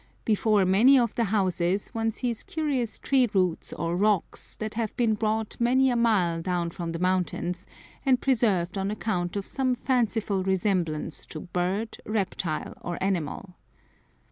Before many of the houses one sees curious tree roots or rocks, that have been brought many a mile down from the mountains, and preserved on account of some fanciful resemblance to bird, reptile, or animal.